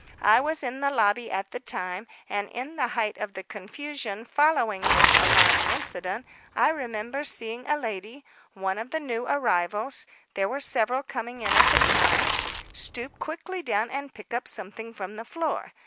I was in the lobby at the time, and in the height of the confusion following this alarming incident, I remember seeing a lady, one of the new arrivals (there were several coming in at the time) stoop quickly down and pick up something from the floor.